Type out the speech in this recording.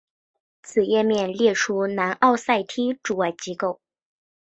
此页面列出南奥塞梯驻外机构。